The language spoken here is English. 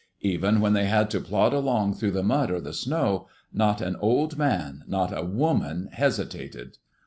Even when they had to plod along through the mud or the snow, not an old man, not a woman hesitated.